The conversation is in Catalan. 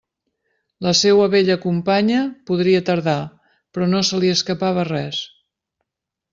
La seua vella companya podria tardar, però no se li escapava res.